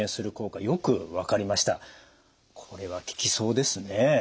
これは効きそうですね。